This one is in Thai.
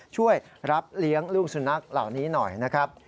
ช่วยรับเลี้ยงลูกสุนัขเหล่านี้หน่อยนะครับ